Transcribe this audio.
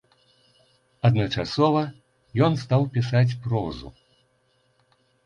Адначасова ён стаў пісаць прозу.